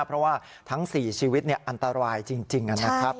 เพราะว่าทั้ง๔ชีวิตอันตรายจริงนะครับ